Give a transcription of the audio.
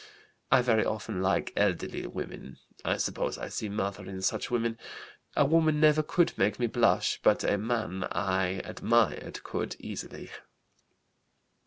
I very often like elderly women; I suppose I see mother in such women. A woman never could make me blush, but a man I admired could easily.